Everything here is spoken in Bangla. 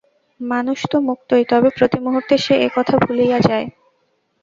মানুষ তো মুক্তই, তবে প্রতি মুহূর্তে সে এ-কথা ভুলিয়া যায়।